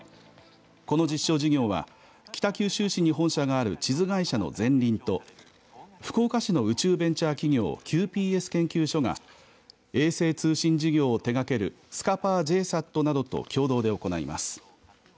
この実証事業は北九州市に本社がある地図会社のゼンリンと福岡市の宇宙ベンチャー企業ＱＰＳ研究所が衛星通信事業を手がけるスカパーＪＳＡＴなどと共同で行います。